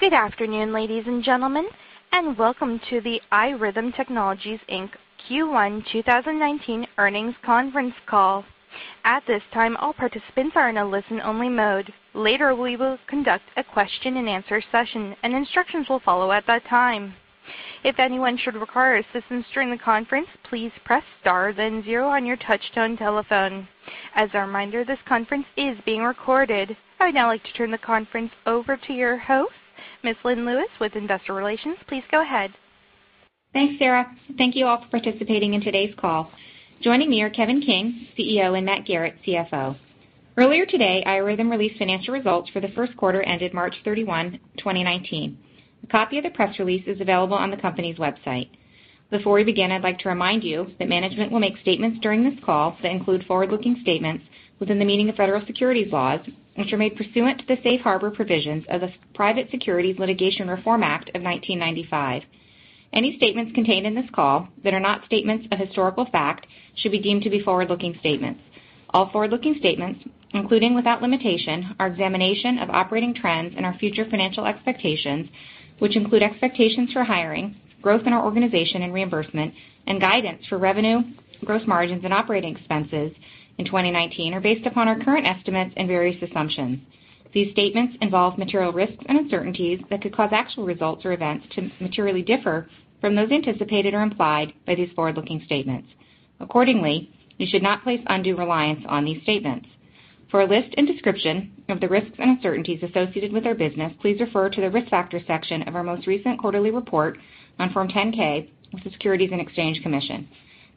Good afternoon, ladies and gentlemen, and welcome to the iRhythm Technologies, Inc. Q1 2019 earnings conference call. At this time, all participants are in a listen-only mode. Later we will conduct a question and answer session, and instructions will follow at that time. If anyone should require assistance during the conference, please press star then zero on your touchtone telephone. As a reminder, this conference is being recorded. I'd now like to turn the conference over to your host, Ms. Lynn Lewis, with investor relations. Please go ahead. Thanks, Sarah. Thank you all for participating in today's call. Joining me are Kevin King, CEO, and Matthew Garrett, CFO. Earlier today, iRhythm released financial results for the first quarter ended March 31, 2019. A copy of the press release is available on the company's website. Before we begin, I'd like to remind you that management will make statements during this call that include forward-looking statements within the meaning of federal securities laws, which are made pursuant to the Safe Harbor provisions of the Private Securities Litigation Reform Act of 1995. Any statements contained in this call that are not statements of historical fact should be deemed to be forward-looking statements. All forward-looking statements, including without limitation, our examination of operating trends and our future financial expectations, which include expectations for hiring, growth in our organization and reimbursement, and guidance for revenue, gross margins, and operating expenses in 2019 are based upon our current estimates and various assumptions. These statements involve material risks and uncertainties that could cause actual results or events to materially differ from those anticipated or implied by these forward-looking statements. Accordingly, you should not place undue reliance on these statements. For a list and description of the risks and uncertainties associated with our business, please refer to the Risk Factors section of our most recent quarterly report on Form 10-K with the Securities and Exchange Commission.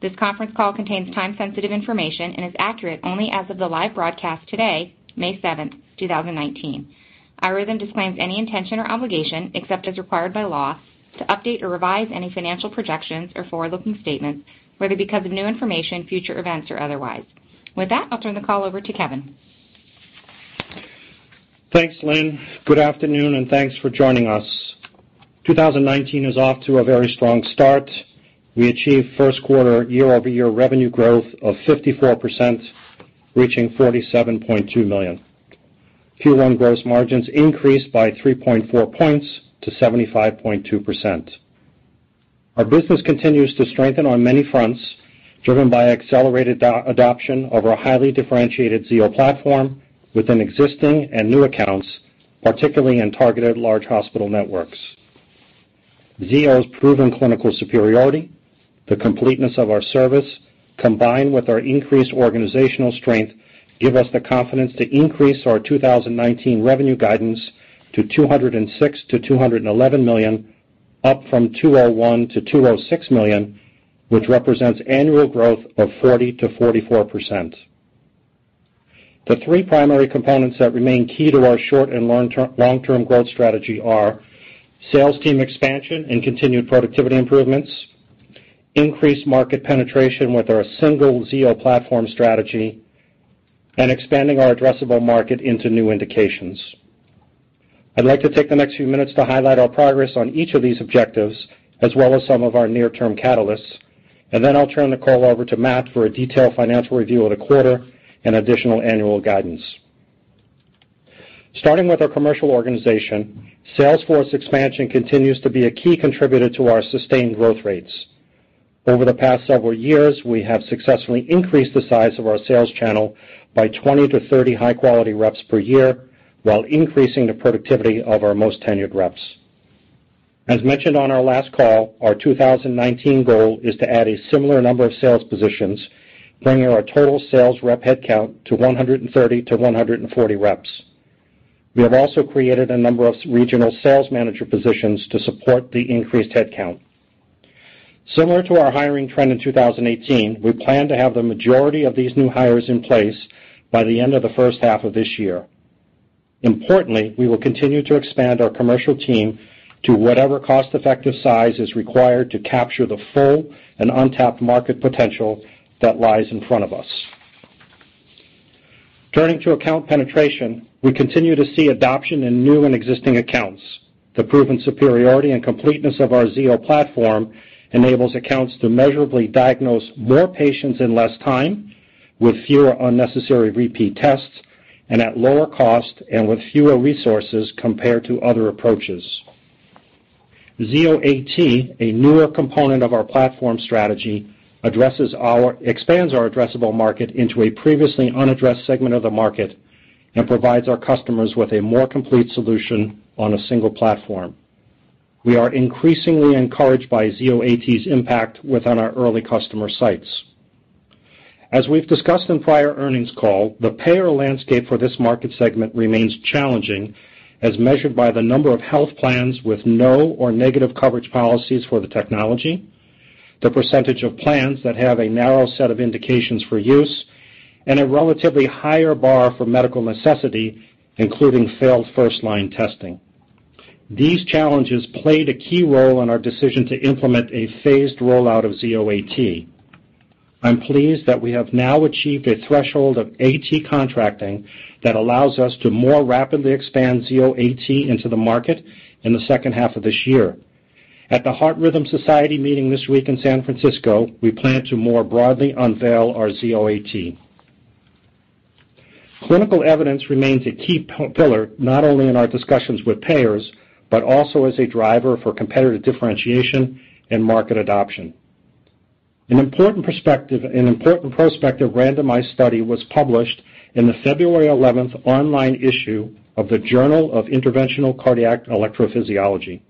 This conference call contains time-sensitive information and is accurate only as of the live broadcast today, May 7th, 2019. iRhythm disclaims any intention or obligation, except as required by law, to update or revise any financial projections or forward-looking statements, whether because of new information, future events, or otherwise. With that, I'll turn the call over to Kevin. Thanks, Lynn. Good afternoon, and thanks for joining us. 2019 is off to a very strong start. We achieved first quarter year-over-year revenue growth of 54%, reaching $47.2 million. Q1 gross margins increased by 3.4 points to 75.2%. Our business continues to strengthen on many fronts, driven by accelerated adoption of our highly differentiated Zio platform within existing and new accounts, particularly in targeted large hospital networks. Zio's proven clinical superiority, the completeness of our service, combined with our increased organizational strength, give us the confidence to increase our 2019 revenue guidance to $206 million-$211 million, up from $201 million-$206 million, which represents annual growth of 40%-44%. The three primary components that remain key to our short and long-term growth strategy are sales team expansion and continued productivity improvements, increased market penetration with our single Zio platform strategy, and expanding our addressable market into new indications. I'd like to take the next few minutes to highlight our progress on each of these objectives, as well as some of our near-term catalysts. I'll turn the call over to Matt for a detailed financial review of the quarter and additional annual guidance. Starting with our commercial organization, sales force expansion continues to be a key contributor to our sustained growth rates. Over the past several years, we have successfully increased the size of our sales channel by 20-30 high-quality reps per year while increasing the productivity of our most tenured reps. As mentioned on our last call, our 2019 goal is to add a similar number of sales positions, bringing our total sales rep headcount to 130-140 reps. We have also created a number of regional sales manager positions to support the increased headcount. Similar to our hiring trend in 2018, we plan to have the majority of these new hires in place by the end of the first half of this year. Importantly, we will continue to expand our commercial team to whatever cost-effective size is required to capture the full and untapped market potential that lies in front of us. Turning to account penetration, we continue to see adoption in new and existing accounts. The proven superiority and completeness of our Zio platform enables accounts to measurably diagnose more patients in less time with fewer unnecessary repeat tests and at lower cost and with fewer resources compared to other approaches. Zio AT, a newer component of our platform strategy, expands our addressable market into a previously unaddressed segment of the market and provides our customers with a more complete solution on a single platform. We are increasingly encouraged by Zio AT's impact within our early customer sites. As we've discussed in prior earnings call, the payer landscape for this market segment remains challenging as measured by the number of health plans with no or negative coverage policies for the technology, the percentage of plans that have a narrow set of indications for use, and a relatively higher bar for medical necessity, including failed first-line testing. These challenges played a key role in our decision to implement a phased rollout of Zio AT. I'm pleased that we have now achieved a threshold of AT contracting that allows us to more rapidly expand Zio AT into the market in the second half of this year. At the Heart Rhythm Society meeting this week in San Francisco, we plan to more broadly unveil our Zio AT. Clinical evidence remains a key pillar, not only in our discussions with payers, but also as a driver for competitive differentiation and market adoption. An important prospective randomized study was published in the February 11th online issue of the Journal of Interventional Cardiac Electrophysiology.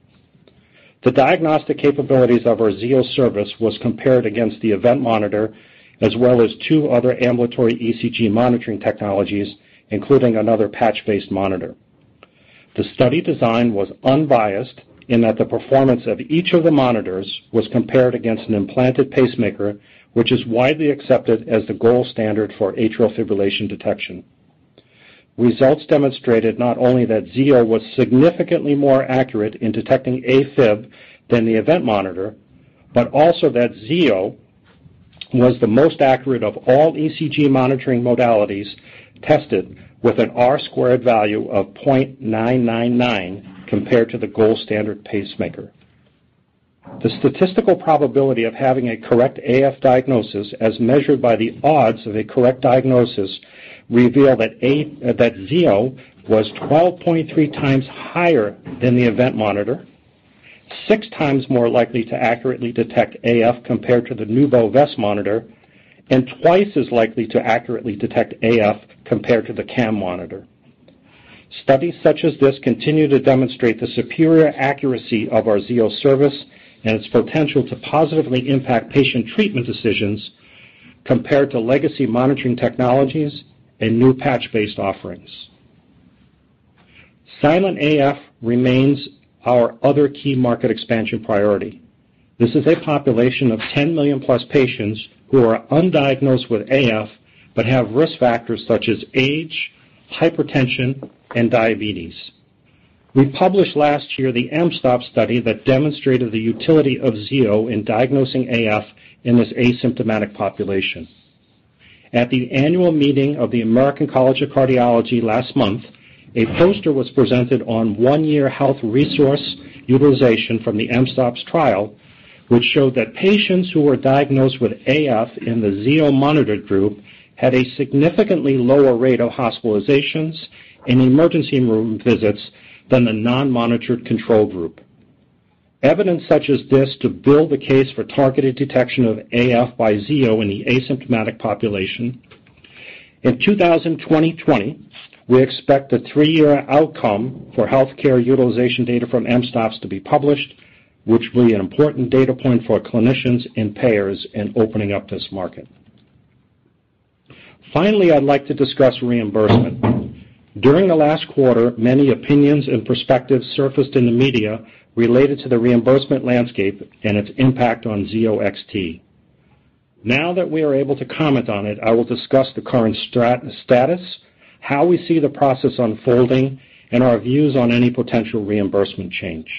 The diagnostic capabilities of our Zio Service was compared against the event monitor, as well as two other ambulatory ECG monitoring technologies, including another patch-based monitor. The study design was unbiased in that the performance of each of the monitors was compared against an implanted pacemaker, which is widely accepted as the gold standard for atrial fibrillation detection. Results demonstrated not only that Zio was significantly more accurate in detecting AFib than the event monitor, but also that Zio was the most accurate of all ECG monitoring modalities tested with an R-squared value of 0.999 compared to the gold standard pacemaker. The statistical probability of having a correct AF diagnosis as measured by the odds of a correct diagnosis reveal that Zio was 12.3 times higher than the event monitor, six times more likely to accurately detect AF compared to the Nuubo vest monitor, and twice as likely to accurately detect AF compared to the CAM monitor. Studies such as this continue to demonstrate the superior accuracy of our Zio Service and its potential to positively impact patient treatment decisions compared to legacy monitoring technologies and new patch-based offerings. Silent AF remains our other key market expansion priority. This is a population of 10 million plus patients who are undiagnosed with AF, but have risk factors such as age, hypertension, and diabetes. We published last year the mSToPS study that demonstrated the utility of Zio in diagnosing AF in this asymptomatic population. At the annual meeting of the American College of Cardiology last month, a poster was presented on one-year health resource utilization from the mSToPS trial, which showed that patients who were diagnosed with AF in the Zio monitored group had a significantly lower rate of hospitalizations and emergency room visits than the non-monitored control group. Evidence such as this to build a case for targeted detection of AF by Zio in the asymptomatic population. In 2020, we expect the three-year outcome for healthcare utilization data from mSToPS to be published, which will be an important data point for clinicians and payers in opening up this market. Finally, I'd like to discuss reimbursement. During the last quarter, many opinions and perspectives surfaced in the media related to the reimbursement landscape and its impact on Zio XT. Now that we are able to comment on it, I will discuss the current status, how we see the process unfolding, and our views on any potential reimbursement change.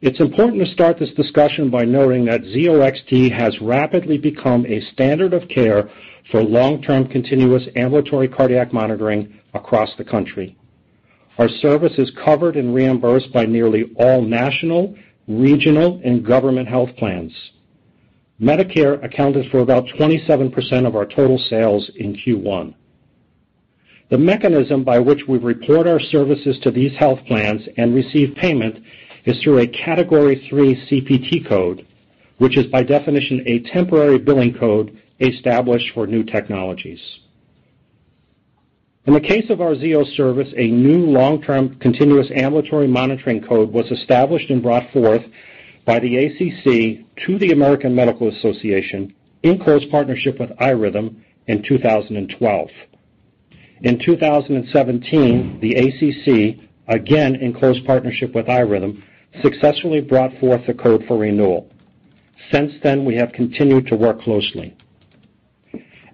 It's important to start this discussion by noting that Zio XT has rapidly become a standard of care for long-term continuous ambulatory cardiac monitoring across the country. Our service is covered and reimbursed by nearly all national, regional, and government health plans. Medicare accounted for about 27% of our total sales in Q1. The mechanism by which we report our services to these health plans and receive payment is through a Category III CPT code, which is by definition a temporary billing code established for new technologies. In the case of our Zio Service, a new long-term continuous ambulatory monitoring code was established and brought forth by the ACC to the American Medical Association in close partnership with iRhythm in 2012. In 2017, the ACC, again, in close partnership with iRhythm, successfully brought forth the code for renewal. Since then, we have continued to work closely.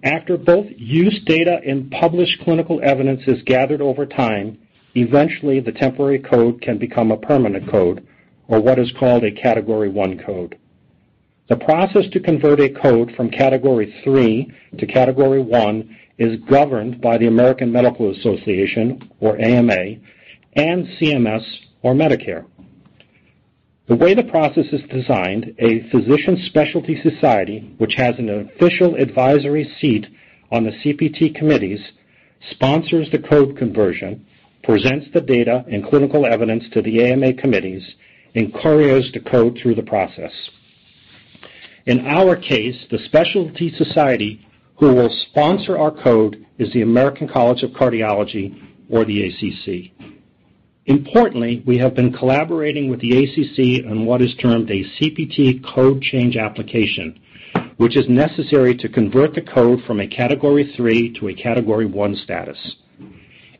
After both use data and published clinical evidence is gathered over time, eventually the temporary code can become a permanent code or what is called a Category I code. The process to convert a code from Category III to Category I is governed by the American Medical Association, or AMA, and CMS or Medicare. The way the process is designed, a physician specialty society, which has an official advisory seat on the CPT committees, sponsors the code conversion, presents the data and clinical evidence to the AMA committees, and couriers the code through the process. In our case, the specialty society who will sponsor our code is the American College of Cardiology, or the ACC. Importantly, we have been collaborating with the ACC on what is termed a CPT code change application, which is necessary to convert the code from a Category III to a Category I status.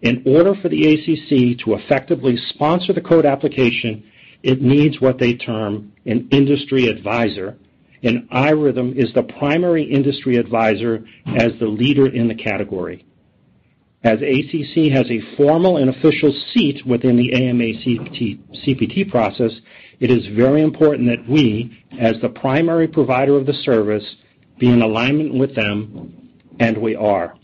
In order for the ACC to effectively sponsor the code application, it needs what they term an industry advisor, and iRhythm is the primary industry advisor as the leader in the category. As ACC has a formal and official seat within the AMA CPT process, it is very important that we, as the primary provider of the service, be in alignment with them, and we are.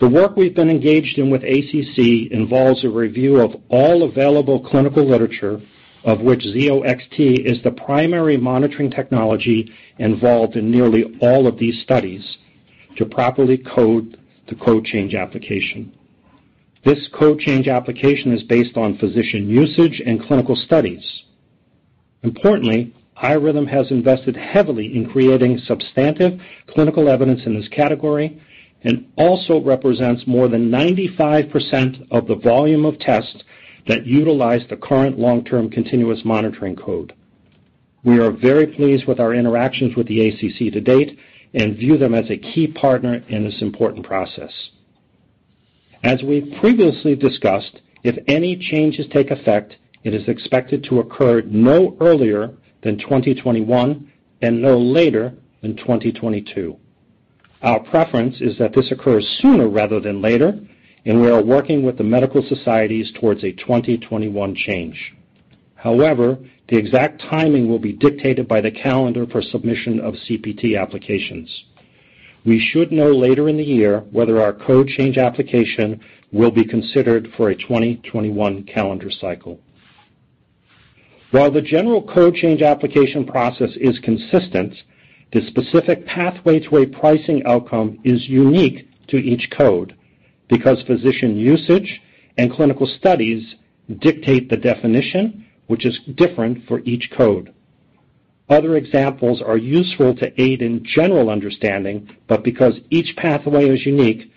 The work we've been engaged in with ACC involves a review of all available clinical literature, of which Zio XT is the primary monitoring technology involved in nearly all of these studies to properly code the code change application. This code change application is based on physician usage and clinical studies. Importantly, iRhythm has invested heavily in creating substantive clinical evidence in this category and also represents more than 95% of the volume of tests that utilize the current long-term continuous monitoring code. We are very pleased with our interactions with the ACC to date and view them as a key partner in this important process. As we previously discussed, if any changes take effect, it is expected to occur no earlier than 2021 and no later than 2022. Our preference is that this occurs sooner rather than later, and we are working with the medical societies towards a 2021 change. However, the exact timing will be dictated by the calendar for submission of CPT applications. We should know later in the year whether our code change application will be considered for a 2021 calendar cycle. While the general code change application process is consistent, the specific pathway to a pricing outcome is unique to each code because physician usage and clinical studies dictate the definition, which is different for each code. Other examples are useful to aid in general understanding, but because each pathway is unique,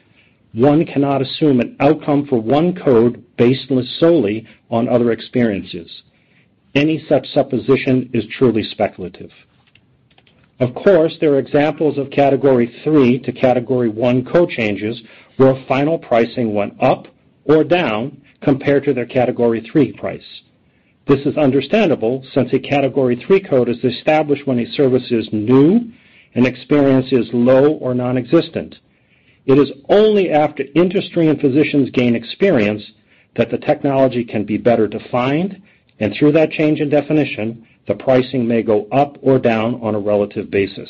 one cannot assume an outcome for one code based solely on other experiences. Any such supposition is truly speculative. Of course, there are examples of Category III to Category I code changes where final pricing went up or down compared to their Category III price. This is understandable since a Category III code is established when a service is new and experience is low or nonexistent. It is only after industry and physicians gain experience that the technology can be better defined, and through that change in definition, the pricing may go up or down on a relative basis.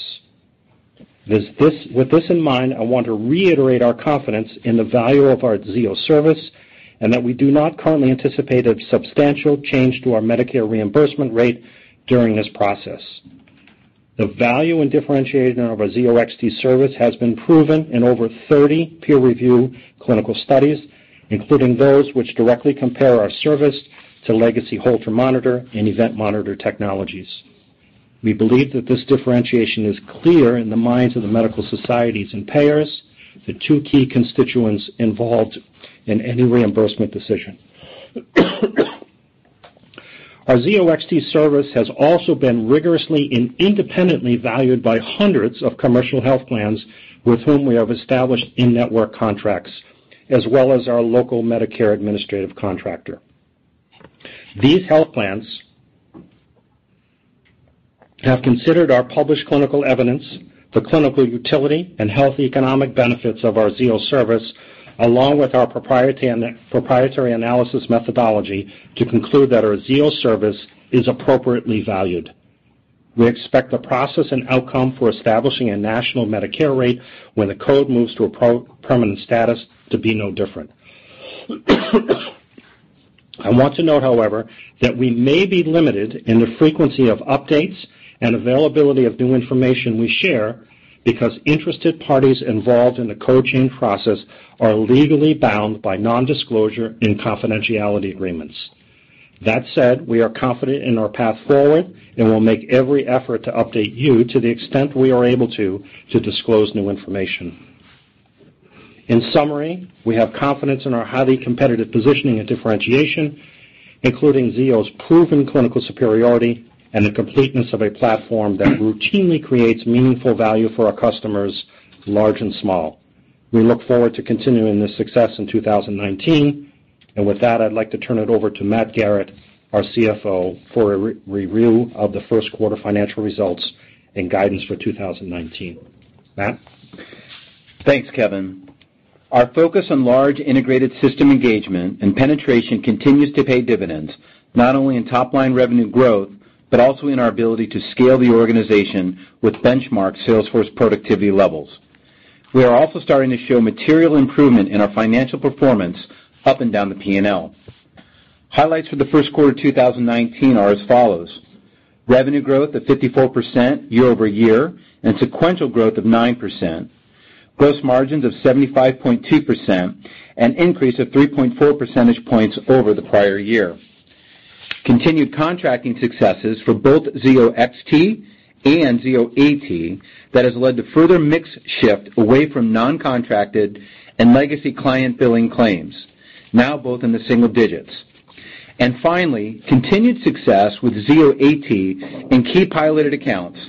With this in mind, I want to reiterate our confidence in the value of our Zio service and that we do not currently anticipate a substantial change to our Medicare reimbursement rate during this process. The value in differentiating of our Zio XT service has been proven in over 30 peer-reviewed clinical studies, including those which directly compare our service to legacy Holter monitor and event monitor technologies. We believe that this differentiation is clear in the minds of the medical societies and payers, the two key constituents involved in any reimbursement decision. Our Zio XT service has also been rigorously and independently valued by hundreds of commercial health plans with whom we have established in-network contracts, as well as our local Medicare administrative contractor. These health plans have considered our published clinical evidence for clinical utility and health economic benefits of our Zio service, along with our proprietary analysis methodology to conclude that our Zio service is appropriately valued. We expect the process and outcome for establishing a national Medicare rate when the code moves to a permanent status to be no different. I want to note, however, that we may be limited in the frequency of updates and availability of new information we share because interested parties involved in the code change process are legally bound by non-disclosure and confidentiality agreements. That said, we are confident in our path forward and will make every effort to update you to the extent we are able to disclose new information. In summary, we have confidence in our highly competitive positioning and differentiation, including Zio's proven clinical superiority and the completeness of a platform that routinely creates meaningful value for our customers, large and small. We look forward to continuing this success in 2019. With that, I'd like to turn it over to Matt Garrett, our CFO, for a review of the first quarter financial results and guidance for 2019. Matt? Thanks, Kevin. Our focus on large integrated system engagement and penetration continues to pay dividends, not only in top-line revenue growth, but also in our ability to scale the organization with benchmark sales force productivity levels. We are also starting to show material improvement in our financial performance up and down the P&L. Highlights for the first quarter 2019 are as follows. Revenue growth of 54% year-over-year and sequential growth of 9%. Gross margins of 75.2%, an increase of 3.4 percentage points over the prior year. Continued contracting successes for both Zio XT and Zio AT that has led to further mix shift away from non-contracted and legacy client billing claims, now both in the single digits. Finally, continued success with Zio AT in key piloted accounts,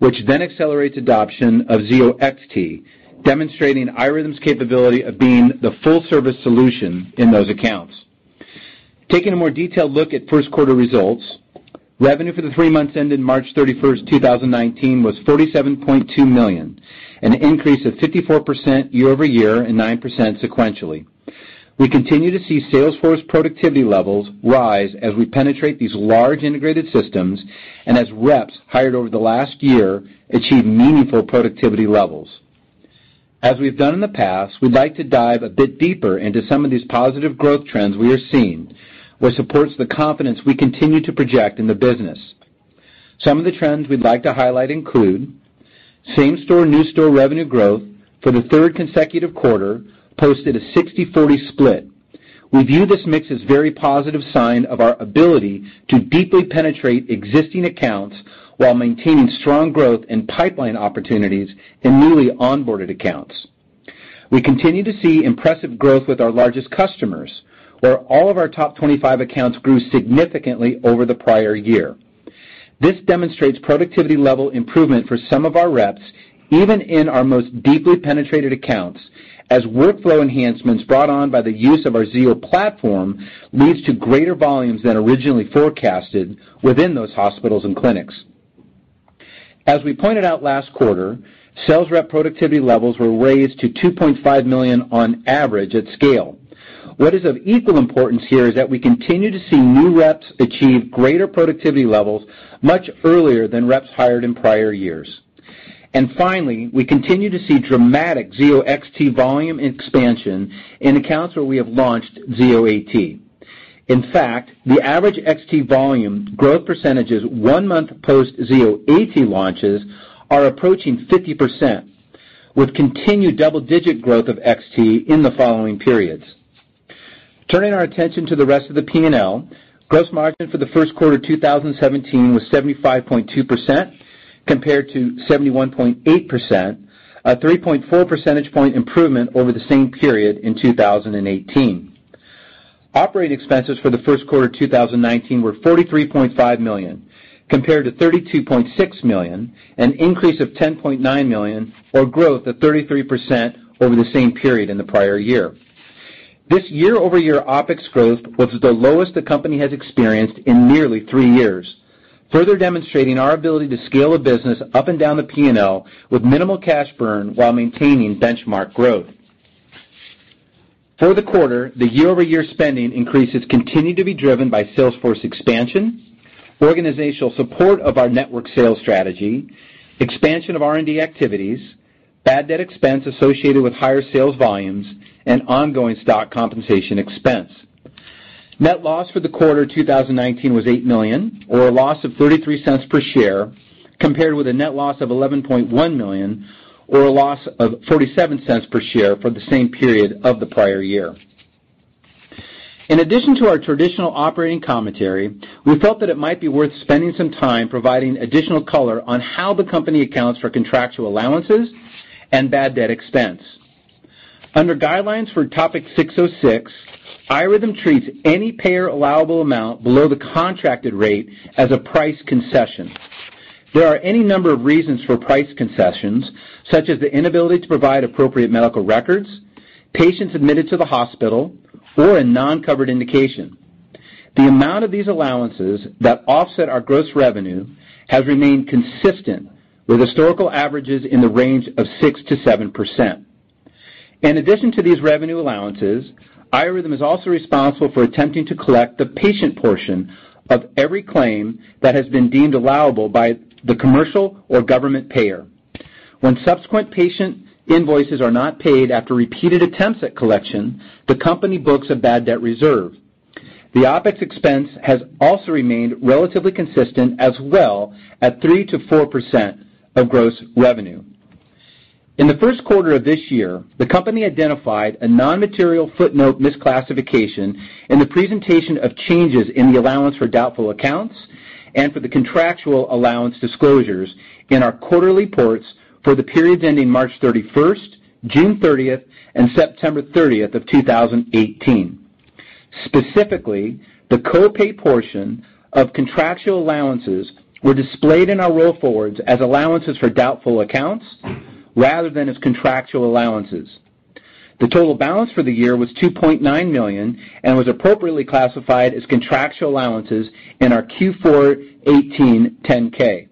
which then accelerates adoption of Zio XT, demonstrating iRhythm's capability of being the full service solution in those accounts. Taking a more detailed look at first quarter results, revenue for the three months ended March 31st, 2019 was $47.2 million, an increase of 54% year-over-year and 9% sequentially. We continue to see sales force productivity levels rise as we penetrate these large integrated systems and as reps hired over the last year achieve meaningful productivity levels. As we've done in the past, we'd like to dive a bit deeper into some of these positive growth trends we are seeing, which supports the confidence we continue to project in the business. Some of the trends we'd like to highlight include same store/new store revenue growth for the third consecutive quarter posted a 60/40 split. We view this mix as very positive sign of our ability to deeply penetrate existing accounts while maintaining strong growth in pipeline opportunities in newly onboarded accounts. We continue to see impressive growth with our largest customers, where all of our top 25 accounts grew significantly over the prior year. This demonstrates productivity level improvement for some of our reps, even in our most deeply penetrated accounts, as workflow enhancements brought on by the use of our Zio platform leads to greater volumes than originally forecasted within those hospitals and clinics. As we pointed out last quarter, sales rep productivity levels were raised to $2.5 million on average at scale. What is of equal importance here is that we continue to see new reps achieve greater productivity levels much earlier than reps hired in prior years. Finally, we continue to see dramatic Zio XT volume expansion in accounts where we have launched Zio AT. In fact, the average XT volume growth percentages one month post Zio AT launches are approaching 50%, with continued double-digit growth of XT in the following periods. Turning our attention to the rest of the P&L, gross margin for the first quarter 2017 was 75.2% compared to 71.8%, a 3.4 percentage point improvement over the same period in 2018. Operating expenses for the first quarter 2019 were $43.5 million, compared to $32.6 million, an increase of $10.9 million or growth of 33% over the same period in the prior year. This year-over-year OpEx growth was the lowest the company has experienced in nearly three years, further demonstrating our ability to scale a business up and down the P&L with minimal cash burn while maintaining benchmark growth. For the quarter, the year-over-year spending increases continued to be driven by sales force expansion, organizational support of our network sales strategy, expansion of R&D activities, bad debt expense associated with higher sales volumes, and ongoing stock compensation expense. Net loss for the quarter 2019 was $8 million, or a loss of $0.33 per share, compared with a net loss of $11.1 million, or a loss of $0.37 per share for the same period of the prior year. In addition to our traditional operating commentary, we felt that it might be worth spending some time providing additional color on how the company accounts for contractual allowances and bad debt expense. Under guidelines for ASC 606, iRhythm treats any payer allowable amount below the contracted rate as a price concession. There are any number of reasons for price concessions, such as the inability to provide appropriate medical records, patients admitted to the hospital, or a non-covered indication. The amount of these allowances that offset our gross revenue has remained consistent with historical averages in the range of 6%-7%. In addition to these revenue allowances, iRhythm is also responsible for attempting to collect the patient portion of every claim that has been deemed allowable by the commercial or government payer. When subsequent patient invoices are not paid after repeated attempts at collection, the company books a bad debt reserve. The OpEx expense has also remained relatively consistent as well at 3%-4% of gross revenue. In the first quarter of this year, the company identified a non-material footnote misclassification in the presentation of changes in the allowance for doubtful accounts and for the contractual allowance disclosures in our quarterly reports for the periods ending March 31st, June 30th, and September 30th of 2018. Specifically, the co-pay portion of contractual allowances were displayed in our roll forwards as allowances for doubtful accounts rather than as contractual allowances. The total balance for the year was $2.9 million and was appropriately classified as contractual allowances in our Q4 2018 10-K.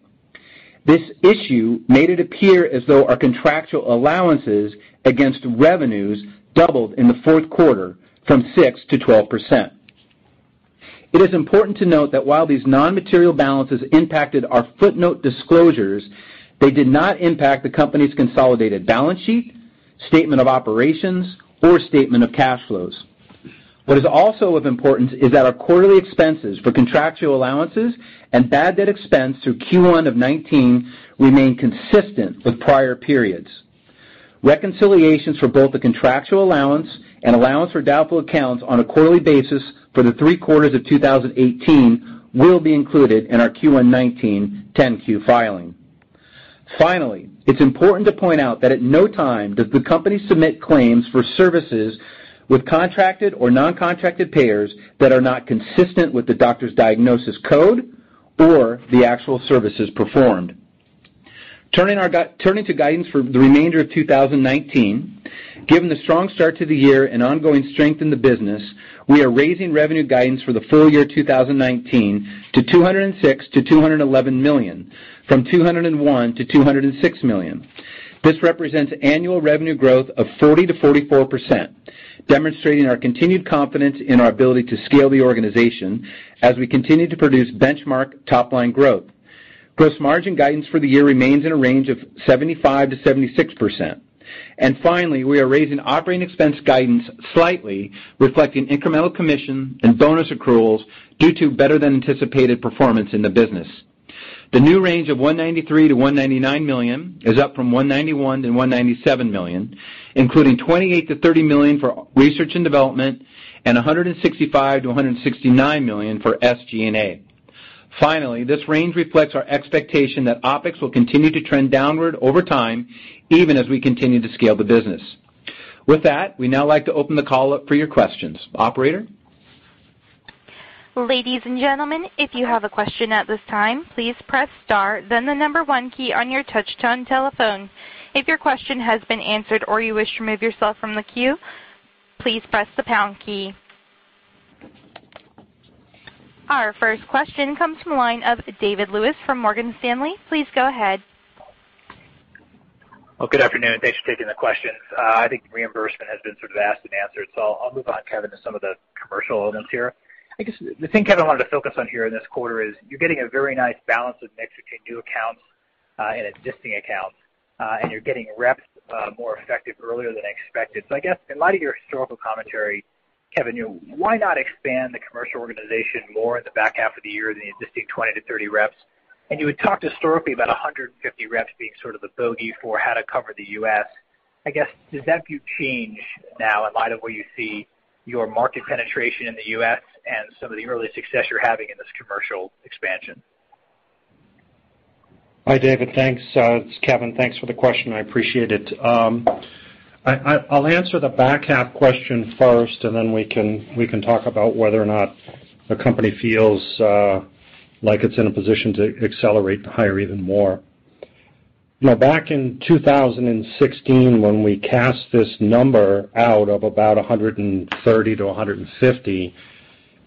This issue made it appear as though our contractual allowances against revenues doubled in the fourth quarter from 6%-12%. It is important to note that while these non-material balances impacted our footnote disclosures, they did not impact the company's consolidated balance sheet, statement of operations, or statement of cash flows. What is also of importance is that our quarterly expenses for contractual allowances and bad debt expense through Q1 of 2019 remain consistent with prior periods. Reconciliations for both the contractual allowance and allowance for doubtful accounts on a quarterly basis for the three quarters of 2018 will be included in our Q1 2019 10-Q filing. Finally, it's important to point out that at no time does the company submit claims for services with contracted or non-contracted payers that are not consistent with the doctor's diagnosis code or the actual services performed. Turning to guidance for the remainder of 2019, given the strong start to the year and ongoing strength in the business, we are raising revenue guidance for the full year 2019 to $206 million-$211 million, from $201 million-$206 million. This represents annual revenue growth of 40%-44%, demonstrating our continued confidence in our ability to scale the organization as we continue to produce benchmark top-line growth. Gross margin guidance for the year remains in a range of 75%-76%. Finally, we are raising operating expense guidance slightly, reflecting incremental commission and bonus accruals due to better than anticipated performance in the business. The new range of $193 million-$199 million is up from $191 million-$197 million, including $28 million-$30 million for research and development and $165 million-$169 million for SG&A. This range reflects our expectation that OpEx will continue to trend downward over time, even as we continue to scale the business. With that, we'd now like to open the call up for your questions. Operator? Ladies and gentlemen, if you have a question at this time, please press star then the 1 key on your touch-tone telephone. If your question has been answered or you wish to remove yourself from the queue, please press the pound key. Our first question comes from the line of David Lewis from Morgan Stanley. Please go ahead. Good afternoon. Thanks for taking the questions. I think reimbursement has been sort of asked and answered, I'll move on, Kevin, to some of the commercial elements here. I guess the thing, Kevin, I wanted to focus on here in this quarter is you're getting a very nice balance of mix between new accounts and existing accounts, and you're getting reps more effective earlier than expected. I guess in light of your historical commentary, Kevin, why not expand the commercial organization more in the back half of the year than the existing 20-30 reps? You had talked historically about 150 reps being sort of the bogey for how to cover the U.S. I guess, does that view change now in light of where you see your market penetration in the U.S. and some of the early success you're having in this commercial expansion? Hi, David. Thanks. It's Kevin. Thanks for the question. I appreciate it. I'll answer the back half question first, then we can talk about whether or not the company feels like it's in a position to accelerate to higher even more. Back in 2016, when we cast this number out of about 130-150,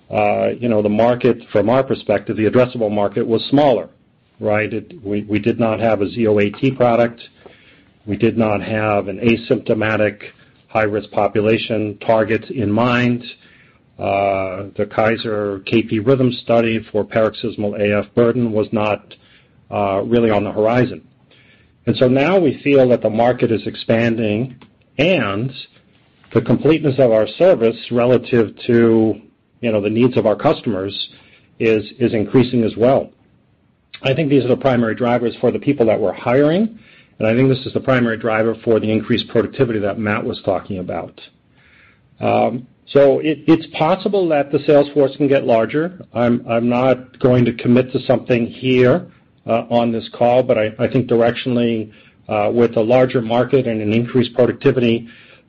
the market from our perspective, the addressable market was smaller, right? We did not have a Zio AT product. We did not have an asymptomatic high-risk population target in mind. The Kaiser Permanente KP-RHYTHM study for paroxysmal AF burden was not really on the horizon. Now we feel that the market is expanding and the completeness of our service relative to the needs of our customers is increasing as well. I think these are the primary drivers for the people that we're hiring, and I think this is the primary driver for the increased productivity that Matt was talking about. It's possible that the sales force can get larger. I'm not going to commit to something here on this call, but I think directionally, with a larger market and an increased productivity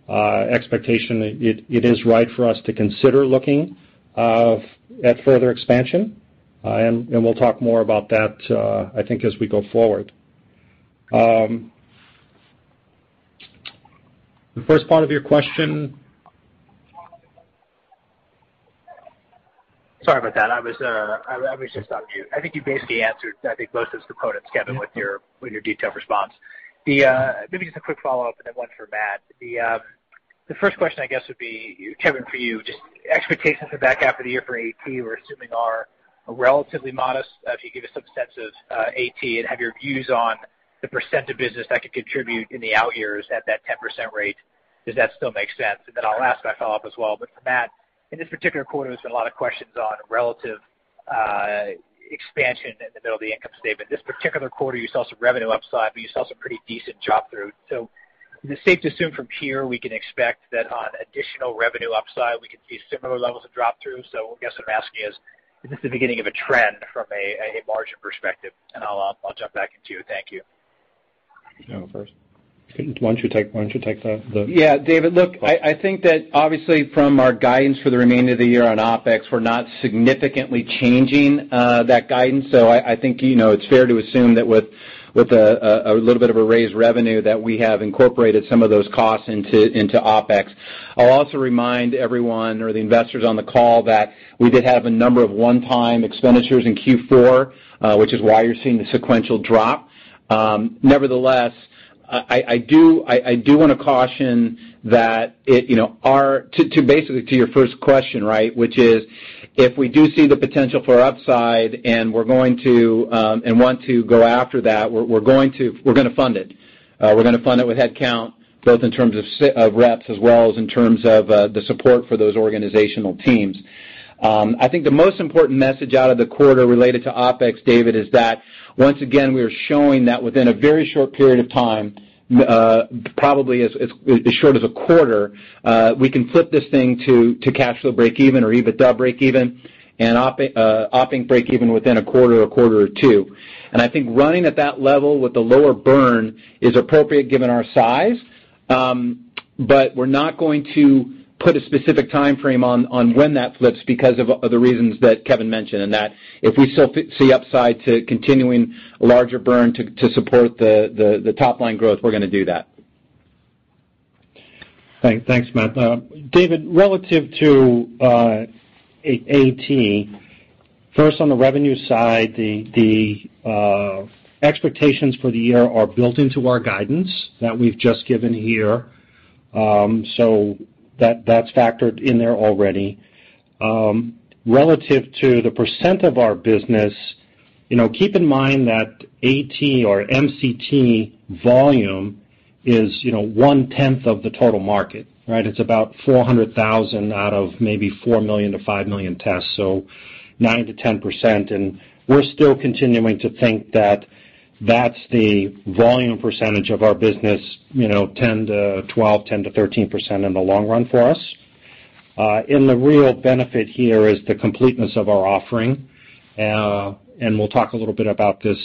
expectation, it is right for us to consider looking at further expansion. We'll talk more about that, I think, as we go forward. The first part of your question Sorry about that. I was just talking to you. I think you basically answered, I think most of the quotes, Kevin, with your detailed response. Maybe just a quick follow-up and then one for Matt. The first question, I guess, would be, Kevin, for you, just expectations for the back half of the year for AT we're assuming are relatively modest. If you could give us some sense of AT and have your views on the percent of business that could contribute in the out years at that 10% rate, does that still make sense? Then I'll ask a follow-up as well. For Matt, in this particular quarter, there's been a lot of questions on relative expansion in the middle of the income statement. This particular quarter, you saw some revenue upside, but you saw some pretty decent drop-through. Is it safe to assume from here we can expect that on additional revenue upside, we could see similar levels of drop-through? I guess what I'm asking is this the beginning of a trend from a margin perspective? I'll jump back into you. Thank you. Do you want to go first? Why don't you take that? David, look, I think that obviously from our guidance for the remainder of the year on OpEx, we're not significantly changing that guidance. I think it's fair to assume that with a little bit of a raised revenue, that we have incorporated some of those costs into OpEx. I'll also remind everyone or the investors on the call that we did have a number of one-time expenditures in Q4, which is why you're seeing the sequential drop. Nevertheless, I do want to caution that to basically to your first question, right, which is if we do see the potential for upside and want to go after that, we're going to fund it. We're going to fund it with headcount, both in terms of reps as well as in terms of the support for those organizational teams. I think the most important message out of the quarter related to OpEx, David, is that once again, we are showing that within a very short period of time, probably as short as a quarter, we can flip this thing to cash flow breakeven or EBITDA breakeven and OpEx breakeven within a quarter or a quarter or two. I think running at that level with the lower burn is appropriate given our size, but we're not going to put a specific timeframe on when that flips because of the reasons that Kevin mentioned, and that if we still see upside to continuing larger burn to support the top-line growth, we're going to do that. Thanks, Matt. David, relative to AT, first on the revenue side, the expectations for the year are built into our guidance that we've just given here. That's factored in there already. Relative to the percent of our business, keep in mind that AT or MCT volume is one-tenth of the total market, right? It's about 400,000 out of maybe 4 million to 5 million tests, so 9%-10%. We're still continuing to think that that's the volume percentage of our business, 10%-12%, 10%-13% in the long run for us. The real benefit here is the completeness of our offering. We'll talk a little bit about this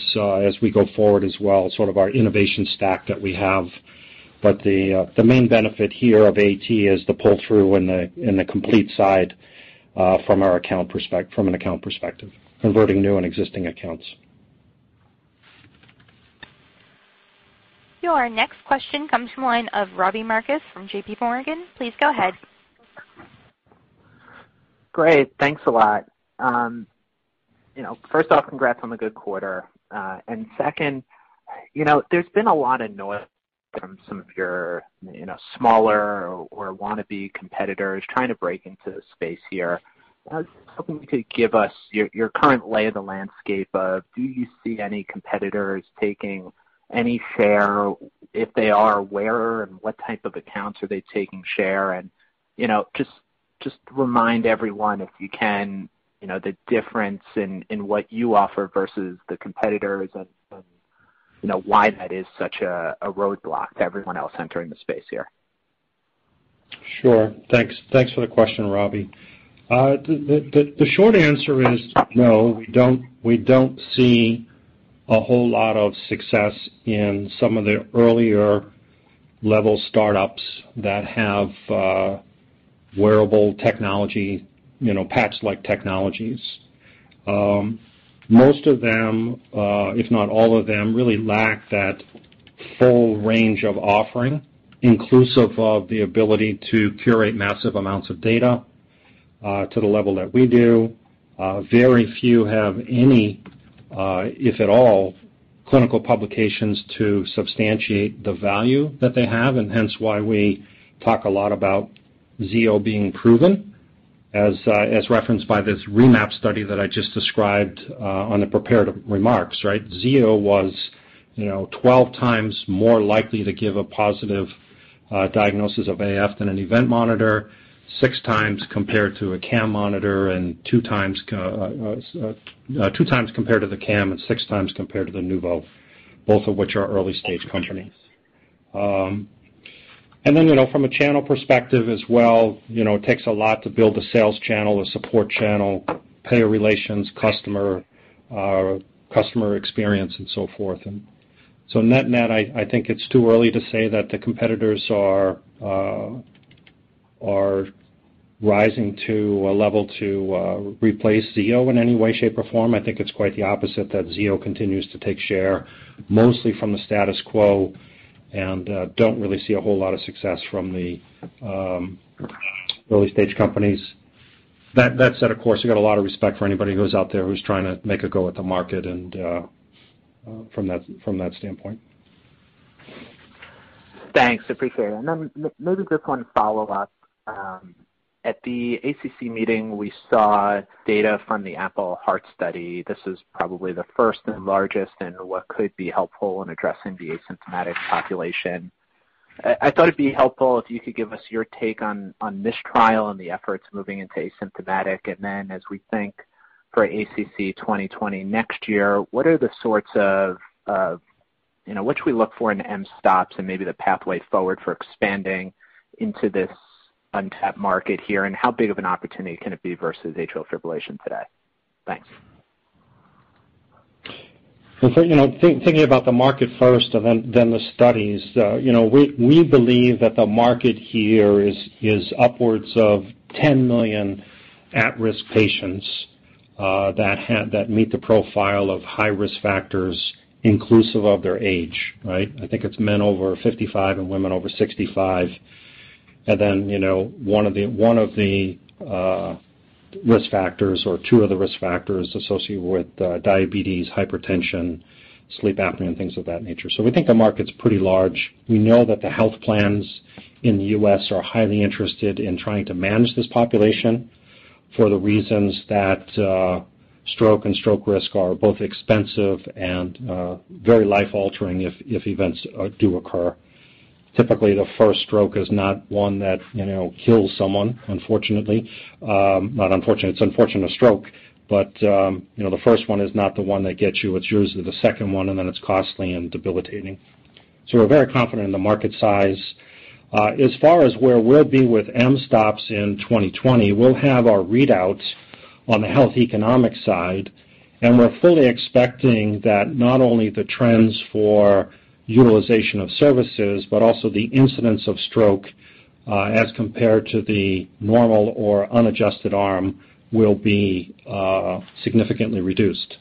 as we go forward as well, sort of our innovation stack that we have. The main benefit here of AT is the pull-through and the complete side from an account perspective, converting new and existing accounts. Your next question comes from the line of Robbie Marcus from J.P. Morgan. Please go ahead. Great. Thanks a lot. First off, congrats on the good quarter. Second, there's been a lot of noise from some of your smaller or want-to-be competitors trying to break into the space here. I was hoping you could give us your current lay of the landscape of, do you see any competitors taking any share? If they are, where and what type of accounts are they taking share? Just remind everyone, if you can, the difference in what you offer versus the competitors and why that is such a roadblock to everyone else entering the space here. Sure. Thanks for the question, Robbie. The short answer is no, we don't see a whole lot of success in some of the earlier-level startups that have wearable technology, patch-like technologies. Most of them, if not all of them, really lack that full range of offering, inclusive of the ability to curate massive amounts of data to the level that we do. Very few have any, if at all, clinical publications to substantiate the value that they have, and hence why we talk a lot about Zio being proven, as referenced by this REMAP study that I just described on the prepared remarks, right? Zio was 12 times more likely to give a positive diagnosis of AFib than an event monitor, six times compared to a CAM monitor, and two times compared to the CAM and six times compared to the Nuubo, both of which are early-stage companies. From a channel perspective as well, it takes a lot to build a sales channel, a support channel, payer relations, customer experience, and so forth. Net-net, I think it's too early to say that the competitors are rising to a level to replace Zio in any way, shape, or form. I think it's quite the opposite, that Zio continues to take share mostly from the status quo and don't really see a whole lot of success from the early-stage companies. That said, of course, we got a lot of respect for anybody who's out there who's trying to make a go at the market and from that standpoint. Thanks. Appreciate it. Maybe just one follow-up. At the ACC meeting, we saw data from the Apple Heart Study. This is probably the first and largest in what could be helpful in addressing the asymptomatic population. I thought it'd be helpful if you could give us your take on this trial and the efforts moving into asymptomatic. As we think for ACC 2020 next year, what are the sorts of-- what should we look for in mSToPS and maybe the pathway forward for expanding into this untapped market here, and how big of an opportunity can it be versus atrial fibrillation today? Thanks. Thinking about the market first and then the studies. We believe that the market here is upwards of 10 million at-risk patients that meet the profile of high-risk factors inclusive of their age, right? I think it's men over 55 and women over 65. One of the risk factors or two of the risk factors associated with diabetes, hypertension, sleep apnea, and things of that nature. We think the market's pretty large. We know that the health plans in the U.S. are highly interested in trying to manage this population for the reasons that stroke and stroke risk are both expensive and very life-altering if events do occur. Typically, the first stroke is not one that kills someone, unfortunately. Not unfortunate. It's unfortunate a stroke, but the first one is not the one that gets you. It's usually the second one, it's costly and debilitating. We're very confident in the market size. As far as where we'll be with mSToPS in 2020, we'll have our readouts on the health economic side, and we're fully expecting that not only the trends for utilization of services, but also the incidence of stroke as compared to the normal or unadjusted arm will be significantly reduced.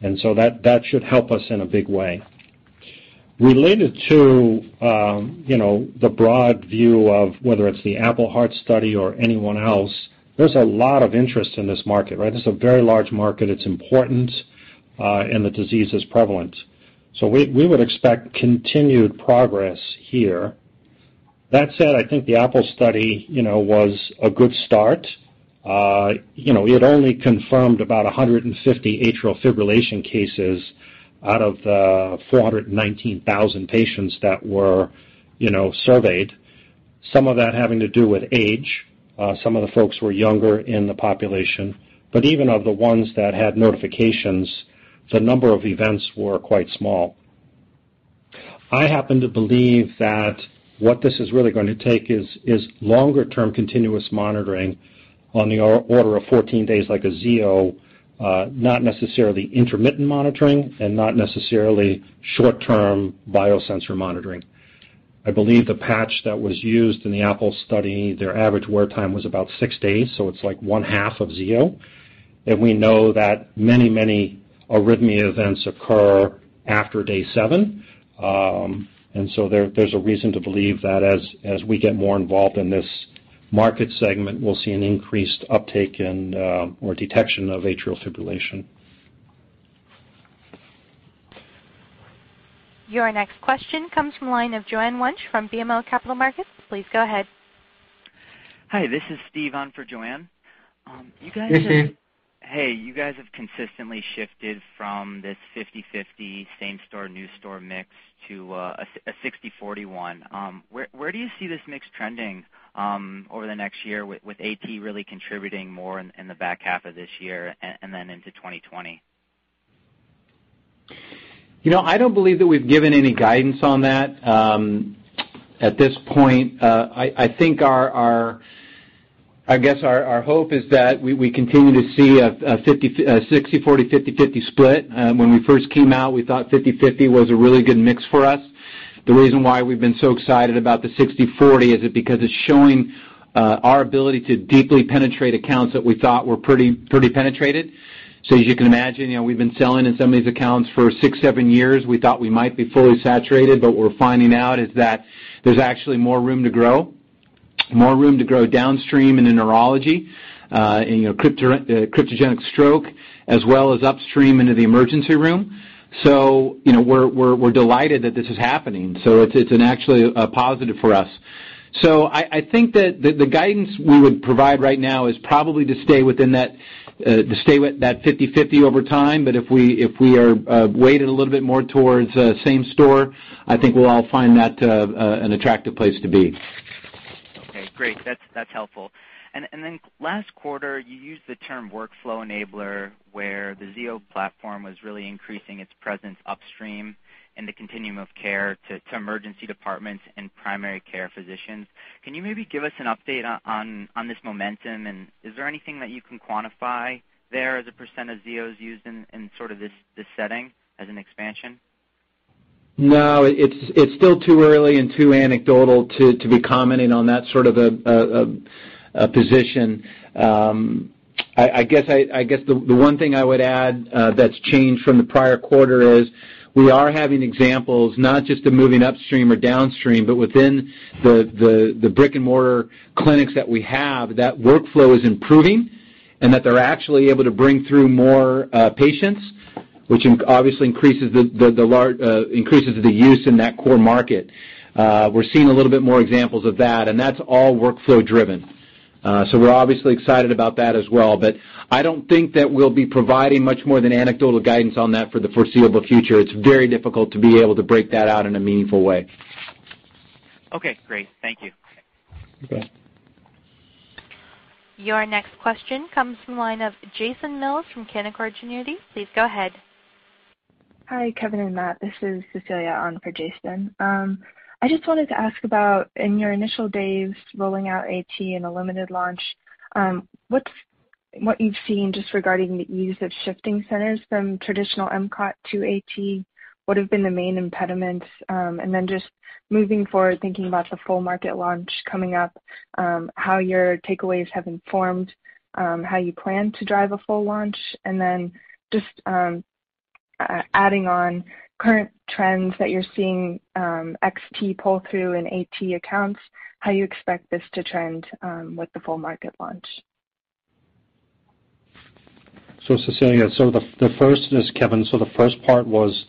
That should help us in a big way. Related to the broad view of whether it's the Apple Heart Study or anyone else, there's a lot of interest in this market, right? This is a very large market. It's important, and the disease is prevalent. We would expect continued progress here. That said, I think the Apple study was a good start. It only confirmed about 150 atrial fibrillation cases out of 419,000 patients that were surveyed. Some of that having to do with age. Some of the folks were younger in the population. Even of the ones that had notifications, the number of events were quite small. I happen to believe that what this is really going to take is longer-term continuous monitoring on the order of 14 days like a Zio, not necessarily intermittent monitoring and not necessarily short-term biosensor monitoring. I believe the patch that was used in the Apple study, their average wear time was about six days, so it's like one half of Zio. We know that many arrhythmia events occur after day seven. There's a reason to believe that as we get more involved in this market segment, we'll see an increased uptake in or detection of atrial fibrillation. Your next question comes from the line of Joanne Wuensch from BMO Capital Markets. Please go ahead. Hi, this is Steve on for Joanne. Hey, Steve. Hey, you guys have consistently shifted from this 50/50 same store/new store mix to a 60/40 one. Where do you see this mix trending over the next year with Zio AT really contributing more in the back half of this year and then into 2020? I don't believe that we've given any guidance on that. At this point, I think our hope is that we continue to see a 60/40, 50/50 split. When we first came out, we thought 50/50 was a really good mix for us. The reason why we've been so excited about the 60/40 is it because it's showing our ability to deeply penetrate accounts that we thought were pretty penetrated. As you can imagine, we've been selling in some of these accounts for six, seven years. We thought we might be fully saturated, but we're finding out is that there's actually more room to grow downstream in the neurology, in cryptogenic stroke, as well as upstream into the emergency room. We're delighted that this is happening. It's actually a positive for us. I think that the guidance we would provide right now is probably to stay within that 50/50 over time. If we are weighted a little bit more towards same store, I think we'll all find that an attractive place to be. Okay, great. That's helpful. Last quarter, you used the term workflow enabler, where the Zio platform was really increasing its presence upstream in the continuum of care to emergency departments and primary care physicians. Can you maybe give us an update on this momentum? Is there anything that you can quantify there as a % of Zios used in sort of this setting as an expansion? No, it's still too early and too anecdotal to be commenting on that sort of a position. I guess the one thing I would add that's changed from the prior quarter is we are having examples, not just the moving upstream or downstream, but within the brick-and-mortar clinics that we have, that workflow is improving, and that they're actually able to bring through more patients, which obviously increases the use in that core market. We're seeing a little bit more examples of that, and that's all workflow driven. We're obviously excited about that as well, but I don't think that we'll be providing much more than anecdotal guidance on that for the foreseeable future. It's very difficult to be able to break that out in a meaningful way. Okay, great. Thank you. Okay. Your next question comes from the line of Jason Mills from Canaccord Genuity. Please go ahead. Hi, Kevin and Matt. This is Cecilia on for Jason. I just wanted to ask about, in your initial days rolling out AT in a limited launch, what you've seen just regarding the use of shifting centers from traditional MCOT to AT, what have been the main impediments? Just moving forward, thinking about the full market launch coming up, how your takeaways have informed how you plan to drive a full launch, and then just adding on current trends that you're seeing XT pull through in AT accounts, how you expect this to trend with the full market launch. Cecilia, this is Kevin. The first part was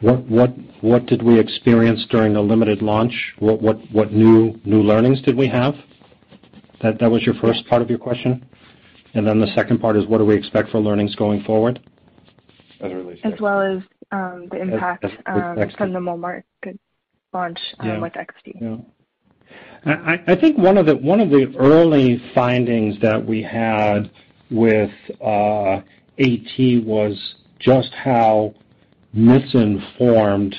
what did we experience during the limited launch? What new learnings did we have? That was your first part of your question? The second part is what do we expect for learnings going forward? As well as the impact from the mobile market launch with XT. I think one of the early findings that we had with AT was just how misinformed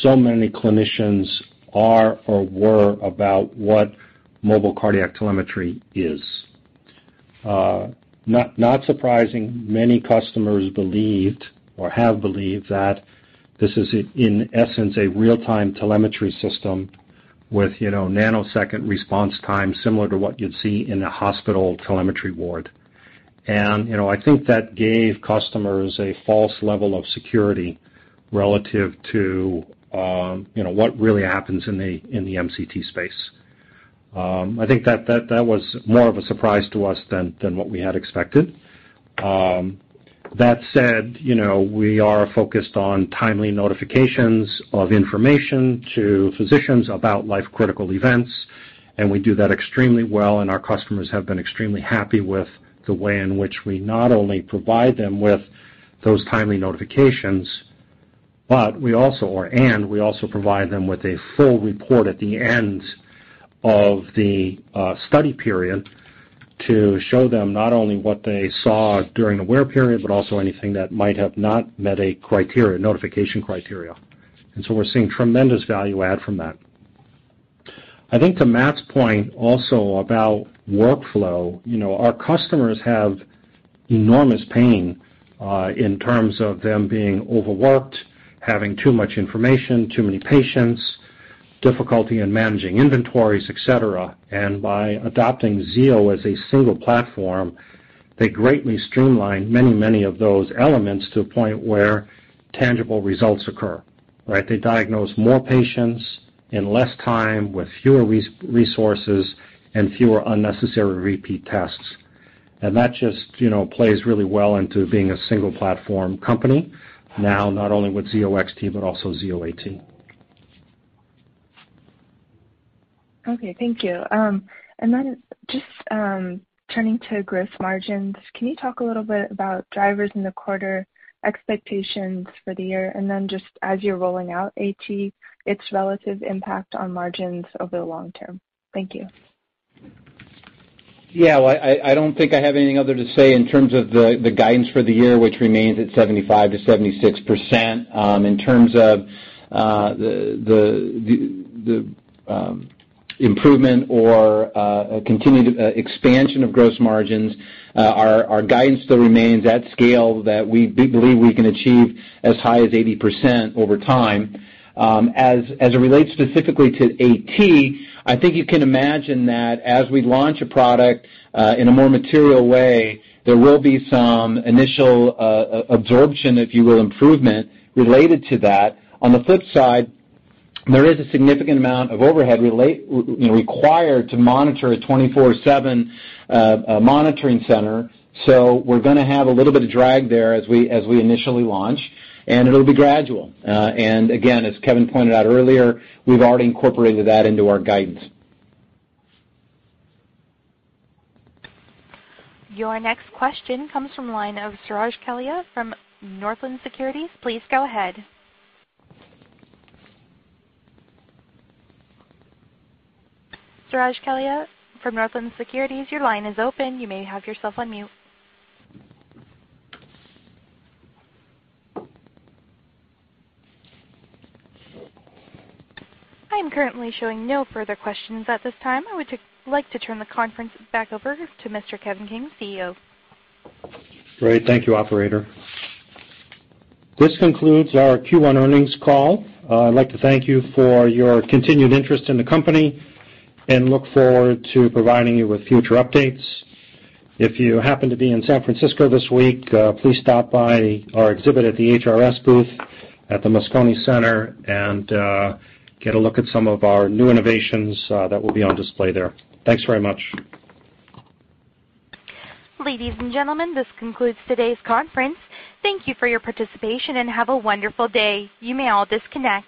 so many clinicians are or were about what mobile cardiac telemetry is. Not surprising, many customers believed or have believed that this is in essence, a real-time telemetry system with nanosecond response time similar to what you'd see in a hospital telemetry ward. I think that gave customers a false level of security relative to what really happens in the MCT space. I think that was more of a surprise to us than what we had expected. That said, we are focused on timely notifications of information to physicians about life-critical events, and we do that extremely well, and our customers have been extremely happy with the way in which we not only provide them with those timely notifications, and we also provide them with a full report at the end of the study period to show them not only what they saw during the wear period, but also anything that might have not met a notification criteria. We're seeing tremendous value add from that. I think to Matt's point also about workflow, our customers have enormous pain in terms of them being overworked, having too much information, too many patients, difficulty in managing inventories, et cetera. By adopting Zio as a single platform, they greatly streamlined many of those elements to a point where tangible results occur. They diagnose more patients in less time with fewer resources and fewer unnecessary repeat tests. That just plays really well into being a single-platform company now, not only with Zio XT, but also Zio AT. Okay, thank you. Then just turning to gross margins, can you talk a little bit about drivers in the quarter, expectations for the year, then just as you're rolling out AT, its relative impact on margins over the long term? Thank you. Well, I don't think I have anything other to say in terms of the guidance for the year, which remains at 75%-76%. In terms of the improvement or continued expansion of gross margins, our guidance still remains at scale that we believe we can achieve as high as 80% over time. As it relates specifically to AT, I think you can imagine that as we launch a product in a more material way, there will be some initial absorption, if you will, improvement related to that. On the flip side, there is a significant amount of overhead required to monitor a 24/7 monitoring center. We're going to have a little bit of drag there as we initially launch, and it'll be gradual. Again, as Kevin pointed out earlier, we've already incorporated that into our guidance. Your next question comes from the line of Suraj Kalia from Northland Securities. Please go ahead. Suraj Kalia from Northland Securities, your line is open. You may have yourself on mute. I am currently showing no further questions at this time. I would like to turn the conference back over to Mr. Kevin King, CEO. Great. Thank you, operator. This concludes our Q1 earnings call. I'd like to thank you for your continued interest in the company and look forward to providing you with future updates. If you happen to be in San Francisco this week, please stop by our exhibit at the HRS booth at the Moscone Center and get a look at some of our new innovations that will be on display there. Thanks very much. Ladies and gentlemen, this concludes today's conference. Thank you for your participation, and have a wonderful day. You may all disconnect.